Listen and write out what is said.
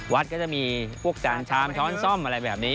วัดก็จะมีพวกจานชามช้อนซ่อมอะไรแบบนี้